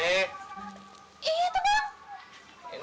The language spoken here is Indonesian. iya tuh bang